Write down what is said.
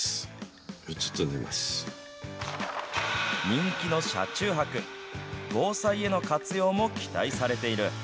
人気の車中泊、防災への活用も期待されている。